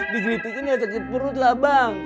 diklipikin ya sakit perut lah bang